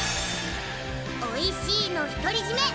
おいしいの独り占め